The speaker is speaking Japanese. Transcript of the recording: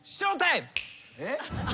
えっ？